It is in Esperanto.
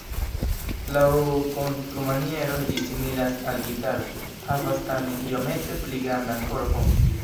Laŭ konstrumaniero ĝi similas al gitaro, havas tamen iomete pli grandan korpon.